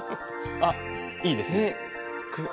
あっいいですね。